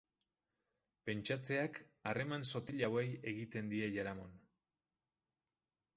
Pentsatzeak harreman sotil hauei egiten die jaramon.